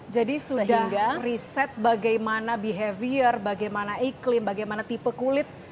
jadi sudah riset bagaimana behavior bagaimana iklim bagaimana tipe kulit